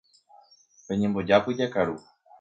Peñembojápy jakaru.